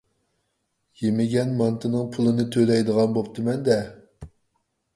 يېمىگەن مانتىنىڭ پۇلىنى تۆلەيدىغان بوپتىمەن-دە.